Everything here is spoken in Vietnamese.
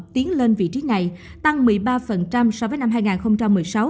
tiến lên vị trí này tăng một mươi ba so với năm hai nghìn một mươi sáu